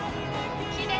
きれい。